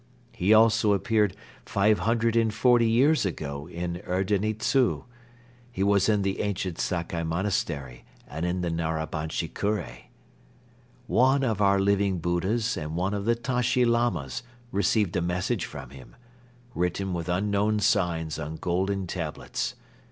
He also appeared five hundred and forty years ago in Erdeni Dzu, he was in the ancient Sakkai Monastery and in the Narabanchi Kure. "One of our Living Buddhas and one of the Tashi Lamas received a message from him, written with unknown signs on golden tablets.